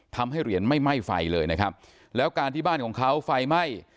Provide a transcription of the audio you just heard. ทำให้เหรียญไม่ไหม้ไฟเลยนะครับแล้วการที่บ้านของเขาไฟไหม้